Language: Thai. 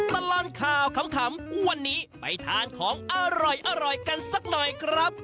ตลอดข่าวขำวันนี้ไปทานของอร่อยกันสักหน่อยครับ